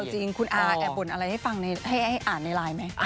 จริงคุณอาแอบบ่นอะไรให้ฟังให้อ่านในไลน์ไหม